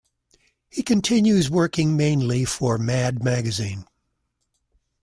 He continues working mainly for "Mad" magazine.